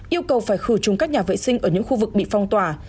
yêu cầu phải khử trùng các nhà vệ sinh ở những khu vực bị phong tỏa